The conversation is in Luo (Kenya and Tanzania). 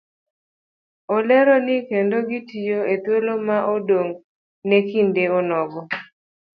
Olero ni kendo gitiyo ethuolono ma odong' ne kinde onogo